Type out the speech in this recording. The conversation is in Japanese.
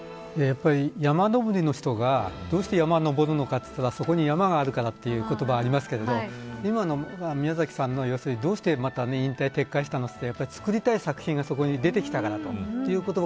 山登りの人がどうして山に登るのかといったらそこに山があるからということもありますが今の宮崎さんのどうして引退を撤回したのと言ったら作りたい作品がそこに出てきたからだということが、